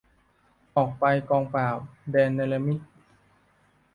ออกไปกองปราบ แดนเนรมิต